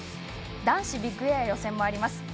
男子ビッグエア予選もあります。